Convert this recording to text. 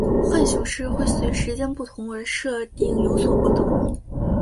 浣熊市会随时间不同而设定有所不同。